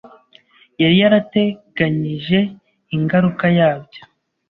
Yari yarateganije ingaruka yabyo.